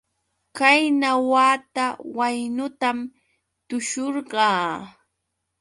Qayna wata waynutam tushurqaa.